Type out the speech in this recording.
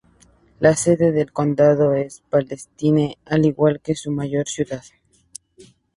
La sede del condado es Palestine, al igual que su mayor ciudad.